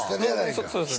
そうですよね